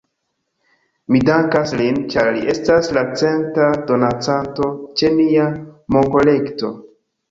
Mi dankas lin, ĉar li estis la centa donacanto ĉe nia monkolekto